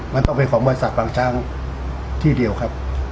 มันต้องเป็นของบริษัทบางช้างที่เดียวครับ